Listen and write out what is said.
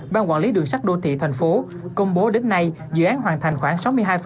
ban quản lý đường sắt đô thị thành phố công bố đến nay dự án hoàn thành khoảng sáu mươi hai